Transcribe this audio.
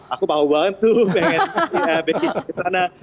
aku mau banget tuh